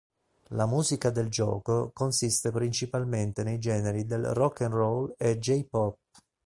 La musica del gioco consiste principalmente nei generi del Rock and roll e J-pop.